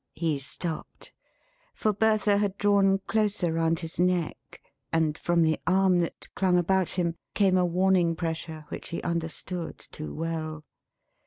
He stopped; for Bertha had drawn closer round his neck; and, from the arm that clung about him, came a warning pressure which he understood too well.